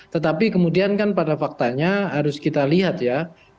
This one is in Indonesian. tetapi kemudian kan pada faktanya harus kita lihat ya